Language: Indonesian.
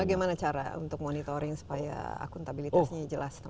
bagaimana cara untuk monitoring supaya akuntabilitasnya jelas